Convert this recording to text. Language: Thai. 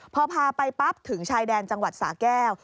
พอพาไปปั๊บถึงชายแดนจังหวัดสาแก้ว